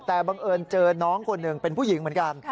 แต่บังเอิญเจอน้องคนหนึ่งเป็นผู้หญิงเหมือนกัน